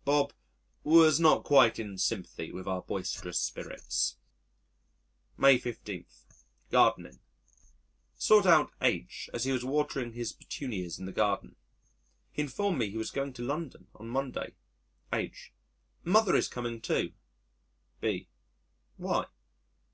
'" Bob was not quite in sympathy with our boisterous spirits. May 15. Gardening Sought out H as he was watering his petunias in the garden. He informed me he was going to London on Monday. H.: "Mother is coming too." B.: "Why?"